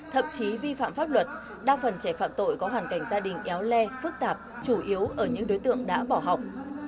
thậm chí vi phạm pháp luật đa phần trẻ phạm tội có hoàn cảnh gia đình éo le phức tạp chủ yếu ở những đối tượng đã bỏ học